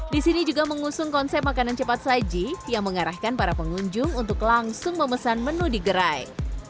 di sini juga mengusung konsep makanan cepat saji yang mengarahkan para pengunjung untuk langsung memesan menu di gerai